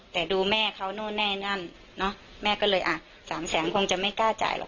แต่ดูแม่เขานั่นแน่นั่นแม่ก็เลย๓แสนคงจะไม่กล้าจ่ายหรอก